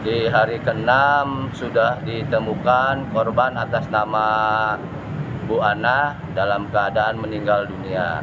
di hari ke enam sudah ditemukan korban atas nama bu anna dalam keadaan meninggal dunia